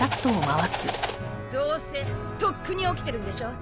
どうせとっくに起きてるんでしょ。